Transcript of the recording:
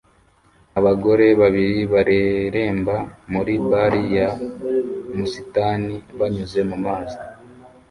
Abagore babiri bareremba muri barri ya musitani banyuze mu mazi